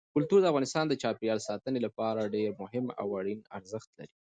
کلتور د افغانستان د چاپیریال ساتنې لپاره ډېر مهم او اړین ارزښت لري.